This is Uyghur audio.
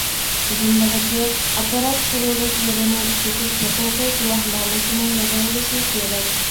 تىزىملىغۇچى ئاپپارات قۇرۇلۇش يېرىنى ئىشلىتىش ھوقۇقى گۇۋاھنامىسىنى يىغىۋېلىشى كېرەك.